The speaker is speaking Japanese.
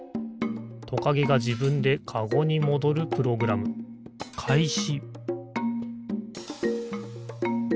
トカゲがじぶんでカゴにもどるプログラムかいし！